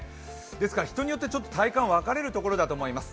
ですから人によって体感分かれるところだと思います。